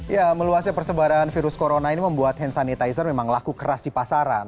ya meluasnya persebaran virus corona ini membuat hand sanitizer memang laku keras di pasaran